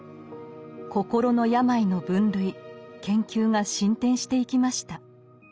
心の病の分類研究が進展していきました。